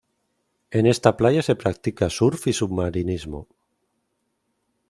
En esta playa se practica surf y submarinismo.